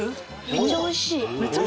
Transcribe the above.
めっちゃ美味しい？